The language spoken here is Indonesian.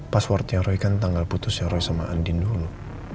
passwordnya roy kan tanggal putusnya roy sama andin dulu